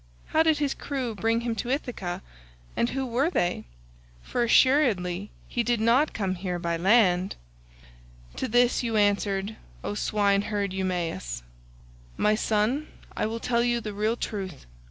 How did his crew bring him to Ithaca, and who were they?—for assuredly he did not come here by land." To this you answered, O swineherd Eumaeus, "My son, I will tell you the real truth.